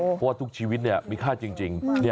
เพราะว่าทุกชีวิตมีค่าจริง